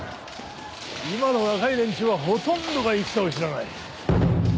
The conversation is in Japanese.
今の若い連中はほとんどが戦を知らない。